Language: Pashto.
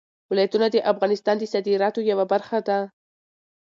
ولایتونه د افغانستان د صادراتو یوه برخه ده.